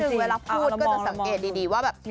นิดหนึ่งเวลาพูดก็จะสังเกตดีว่าแบบ